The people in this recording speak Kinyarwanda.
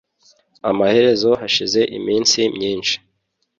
Amaherezo hashize iminsi myinshi